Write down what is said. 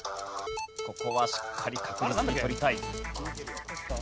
ここはしっかり確実に取りたい。